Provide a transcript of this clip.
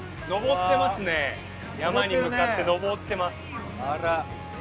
山に向かって登ってます。